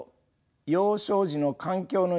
幼少時の環境の要因